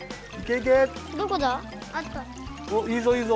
おいいぞいいぞ。